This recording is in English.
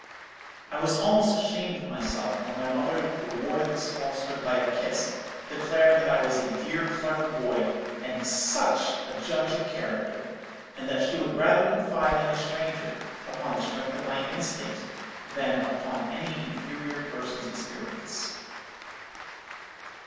"I was almost ashamed of myself when my mother rewarded this falsehood by a kiss, declaring that I was a dear clever boy, and such a judge of character, and that she would rather confide in a stranger, upon the strength of my instinct, than, upon any inferior person's experience.